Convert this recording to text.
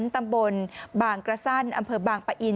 ตำบลบางกระสั้นอำเภอบางปะอิน